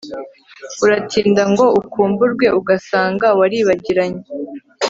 uratinda ngo ukumburwe, ugasanga waribagiranye